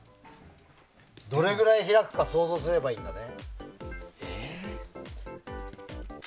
どれぐらい開くか想像すればいいんだね。